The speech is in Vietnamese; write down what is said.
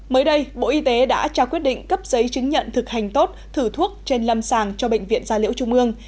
mới đây bộ y tế đã trao quyết định cấp giấy chứng nhận thực hành tốt thử thuốc trên lâm sàng cho bệnh viện gia liễu trung ương